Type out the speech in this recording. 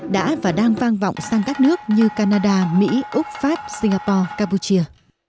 đã và đang vang vọng sang các nước như canada mỹ úc pháp singapore campuchia